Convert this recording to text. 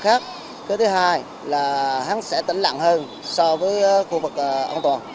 cái thứ hai là hắn sẽ tỉnh lặng hơn so với khu vực an toàn